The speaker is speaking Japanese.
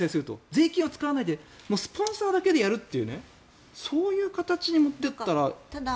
税金は使わないでスポンサーだけでやるというそういう形に持っていったらできない？